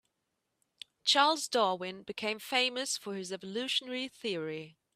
Charles Darwin became famous for his evolutionary theory.